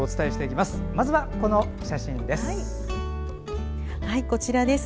まずは、この写真です。